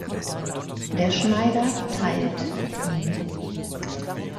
Der Schneider teilt mit ihm.